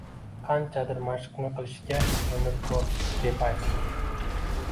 Qanchadir mashqni qilishga urinib ko‘r”, deb ayting.